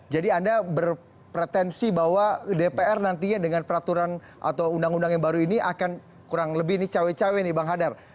jadi anda berpotensi bahwa dpr nantinya dengan peraturan atau undang undang yang baru ini akan kurang lebih ini cawe cawe nih bang hadar